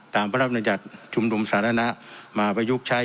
ตามพระรามยัตริการจุ่มดูมสาธารณะมาประยุกต์ใช้